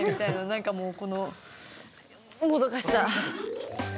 なんかもうこのもどかしさ！